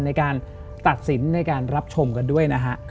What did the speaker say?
ในการตัดสินในการรับชมกันด้วยนะฮะ